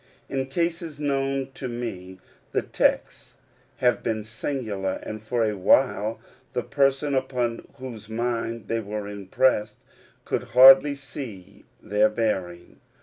In cases known to me, the texts have been singular, and for a while the person upon whose mind they were impressed could hardly see their bearing.